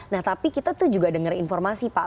nah tapi kita tuh juga dengar informasi pak